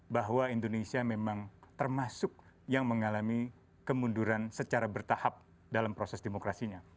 bahwa indonesia memang termasuk yang mengalami kemunduran secara bertahap dalam proses demokrasinya